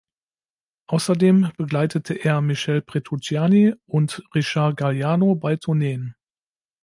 Außerdem begleitete er Michel Petrucciani und Richard Galliano bei Tourneen.